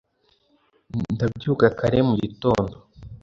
ndabyuka kare mu gitondo